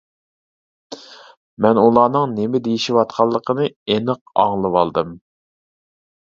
مەن ئۇلارنىڭ نېمە دېيىشىۋاتقانلىقىنى ئېنىق ئاڭلىۋالدىم.